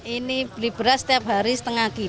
ini beli beras setiap hari rp satu lima ratus